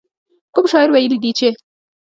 کوم شاعر ويلي دي چې.